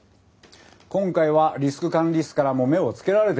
今回はリスク管理室からも目をつけられています。